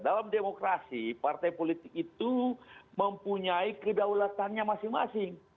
dalam demokrasi partai politik itu mempunyai kedaulatannya masing masing